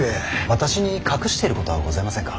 私に隠していることはございませんか。